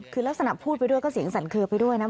คือลักษณะพูดไปด้วยก็เสียงสั่นเคลือไปด้วยนะ